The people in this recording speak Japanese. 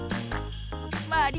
まり。